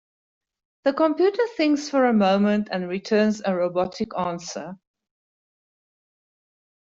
The computer thinks for a moment and returns a robotic answer.